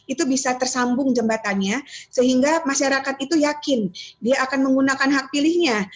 itu bisa tersambung jembatannya sehingga masyarakat itu yakin dia akan menggunakan hak pilihnya